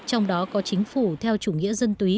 trong đó có chính phủ theo chủ nghĩa dân túy